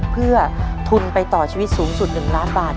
เพื่อทุนไปต่อชีวิตสูงสุด๑ล้านบาท